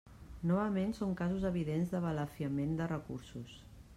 Novament són casos evidents de balafiament de recursos.